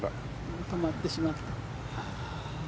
止まってしまった。